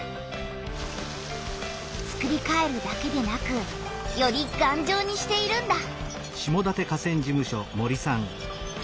つくりかえるだけでなくよりがんじょうにしているんだ。